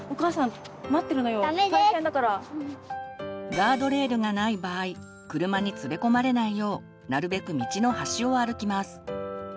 ガードレールがない場合車に連れ込まれないようなるべく道の端を歩きます。